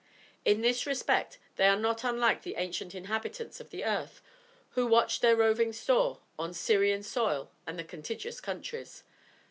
In this respect they are not unlike the ancient inhabitants of the earth, who "watched their roving store" on Syrian soil and the contiguous countries.